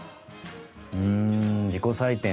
うん自己採点